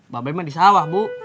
bapak emang di sawah bu